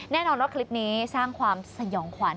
แน่นอนว่าคลิปนี้สร้างความสยองขวัญ